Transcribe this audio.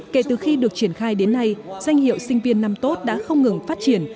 kể từ khi được triển khai đến nay danh hiệu sinh viên năm tốt đã không ngừng phát triển